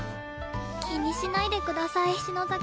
気にしないでください篠崎さん。